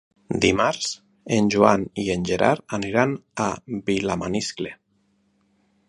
Dimarts en Joan i en Gerard aniran a Vilamaniscle.